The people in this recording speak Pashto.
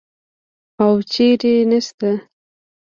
او چېرته نسته.